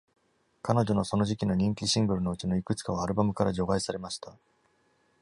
彼女のその時期の人気シングルのうちのいくつかは、アルバムから除外されました。